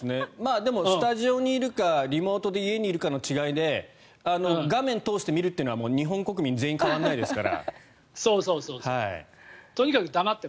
でもスタジオにいるかリモートで家にいるかの違いで画面通して見るというのは日本国民全員変わらないですから。